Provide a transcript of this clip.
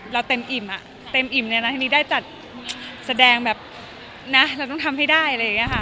เราเต็มอิ่มอ่ะเต็มอิ่มในนักแสดงนี้ได้จัดแสดงแบบนะเราต้องทำให้ได้เลยค่ะ